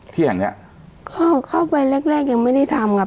ที่แห่งเนี้ยก็เข้าไปแรกแรกยังไม่ได้ทำอะ